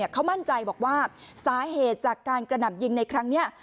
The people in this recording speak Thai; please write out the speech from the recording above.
เขามั่นใจบอกว่าสาเหตุจากการกระหน่ำยิงในครั้งนี้